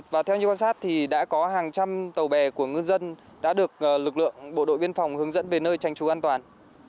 và theo như quan sát thì đã có hàng trăm tàu bè của ngư dân đã được lực lượng bộ đội biên phòng hướng dẫn về nơi tranh trú an toàn